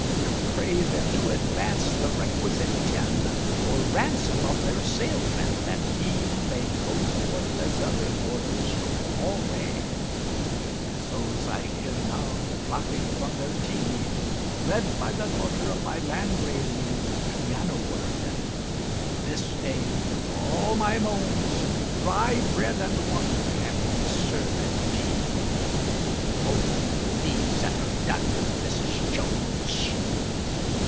To pray them to advance the requisite tin For ransom of their salesman, that he may Go forth as other boarders go alway As those I hear now flocking from their tea, Led by the daughter of my landlady Piano ward. This day, for all my moans, Dry bread and water have been servèd me. Behold the deeds that are done of Mrs. Jones!